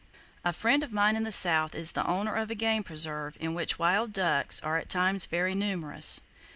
—A friend of mine in the South is the owner of a game preserve in which wild ducks are at times very numerous.